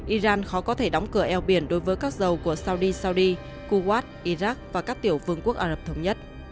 iran khó có thể đóng cửa eo biển đối với các dầu của soudi saudi kuwat iraq và các tiểu vương quốc ả rập thống nhất